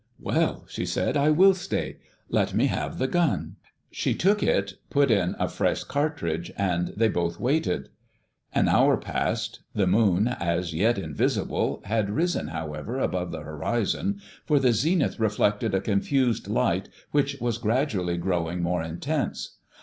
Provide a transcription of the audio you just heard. "'Well,' she said, 'I will stay. Let me have the gun.' "She took it, put in a fresh cartridge, and they both waited. "An hour passed. The moon, as yet invisible, had risen, however, above the horizon, for the zenith reflected a confused light, which was gradually growing more intense.